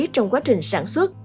trong quá trình sản xuất